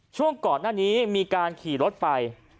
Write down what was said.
ช่วงก่อนหน้านี้มีการขี่รถไป